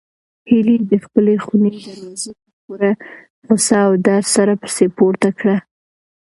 هیلې د خپلې خونې دروازه په پوره غوسه او درد سره پسې پورته کړه.